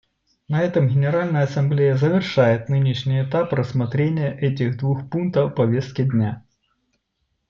На этом Генеральная Ассамблея завершает нынешний этап рассмотрения этих двух пунктов повестки дня.